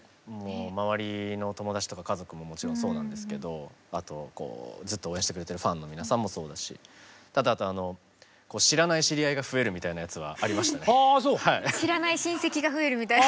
周りの友達とか家族ももちろんそうなんですけどずっと応援してくれてるファンの皆さんもそうだし知らない親戚が増えるみたいな。